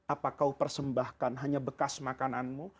apa kau persembahkan hanya bekas makananmu